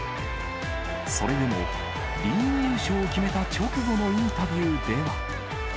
それでも、リーグ優勝を決めた直後のインタビューでは。